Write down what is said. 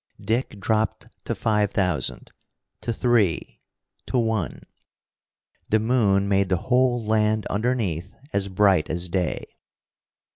Dick dropped to five thousand, to three, to one. The moon made the whole land underneath as bright as day.